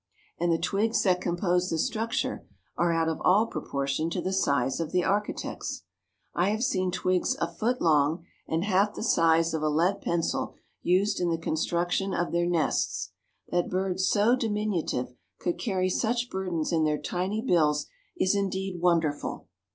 And the twigs that compose the structure are out of all proportion to the size of the architects. I have seen twigs a foot long and half the size of a lead pencil, used in the construction of their nests. That birds so diminutive could carry such burdens in their tiny bills is indeed wonderful.